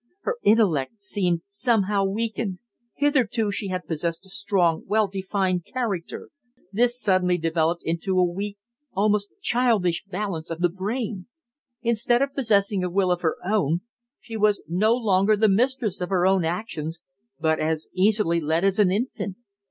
Her intellect seemed somehow weakened. Hitherto she had possessed a strong, well defined character; this suddenly developed into a weak, almost childish balance of the brain. Instead of possessing a will of her own, she was no longer the mistress of her actions, but as easily led as an infant.